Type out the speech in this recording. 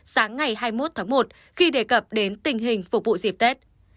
sáng ngày hai mươi một tháng một khi đề cập đến tình hình phục vụ dịp tết